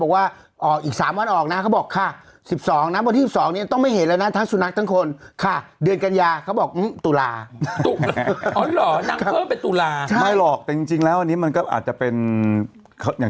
ไว้ที่ไหนอ่าฮะเมื่อวานนี้มีนักข่าวไปสัมภาษณ์เขาเออ